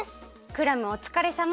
クラムおつかれさま。